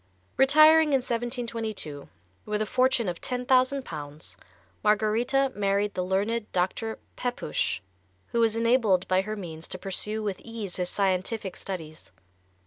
"_ Retiring in 1722 with a fortune of ten thousand pounds, Margarita married the learned Dr. Pepusch, who was enabled by her means to pursue with ease his scientific studies.